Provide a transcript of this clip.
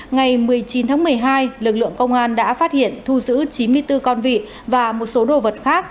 ngày một mươi chín tháng một mươi hai lực lượng công an đã phát hiện thu giữ chín mươi bốn con vị và một số đồ vật khác